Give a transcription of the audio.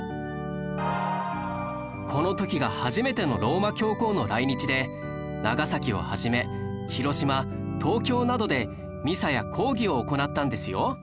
この時が初めてのローマ教皇の来日で長崎を始め広島東京などでミサや講義を行ったんですよ